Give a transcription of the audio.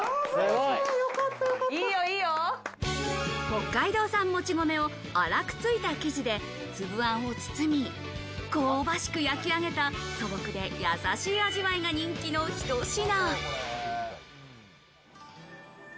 北海道産もち米を粗くついた生地で粒あんを包み、香ばしく焼き上げた素朴でやさしい味わいが人気のひと品。